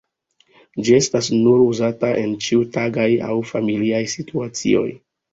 Ĝi estas nur uzata en ĉiutagaj aŭ familiaj situacioj.